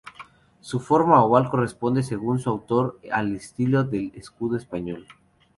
Su forma oval corresponde según su autor al estilo del escudo español.